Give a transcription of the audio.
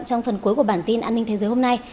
trong phần cuối của bản tin an ninh thế giới hôm nay